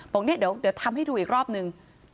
บอกเนี่ยเดี๋ยวทำให้ดูอีกรอบนึง